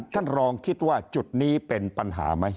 ท่านรองคิดว่าจุดนี้เป็นปัญหาไหม